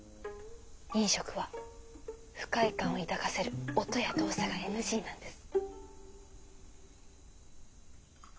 飲食は不快感を抱かせる音や動作がＮＧなんです。